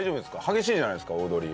激しいじゃないですか踊り。